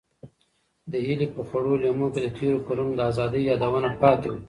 د هیلې په خړو لیمو کې د تېرو کلونو د ازادۍ یادونه پاتې وو.